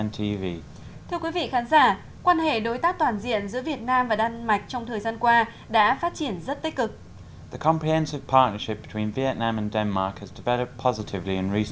thưa quý vị khán giả quan hệ đối tác toàn diện giữa việt nam và đan mạch trong thời gian qua đã phát triển rất tích cực